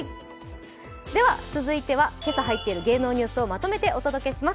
続いては今朝は言っている芸能ニュースをまとめてお届します。